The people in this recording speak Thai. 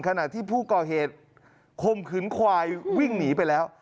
ขณะที่ผู้ก่อเหตุคมขืนควายวิ่งหนีไปแล้ว